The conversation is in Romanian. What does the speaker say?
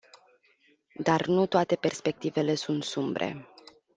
Dar nu toate perspectivele sunt sumbre.